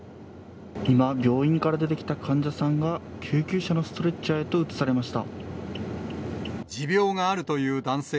今、病院から出てきた患者さんが、救急車のストレッチャーへと移さ持病があるという男性。